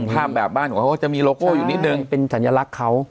ภาพแบบบ้านของเขาจะมีโลโก้อยู่นิดนึงเป็นสัญลักษณ์เขา